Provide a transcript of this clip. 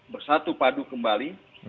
bersatu padu kembali